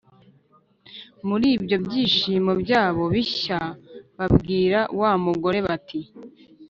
Muri ibyo byishimo byabo bishya babwira wa mugore bati